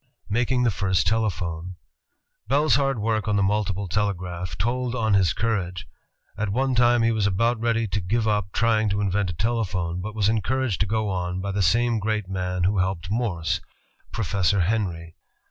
Making the First Telephone Bell's hard work on the multiple telegraph told on his courage. At one time he was about ready to give up trying to invent a telephone, but was encouraged to go on by the same great man who helped Morse, Professor Henry.